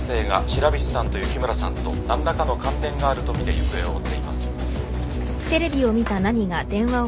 白菱さんと雪村さんと何らかの関連があるとみて行方を追っています。